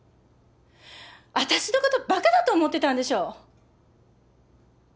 私のことバカだと思ってたんでしょ？